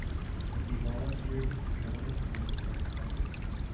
He volunteered to join it and was accepted.